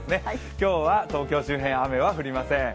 今日は東京周辺は雨は降りません。